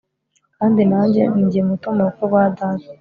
kandi nanjye, ni jye muto mu rugo rwa data